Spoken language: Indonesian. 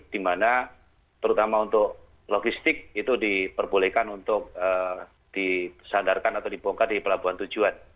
di mana terutama untuk logistik itu diperbolehkan untuk disandarkan atau dibongkar di pelabuhan tujuan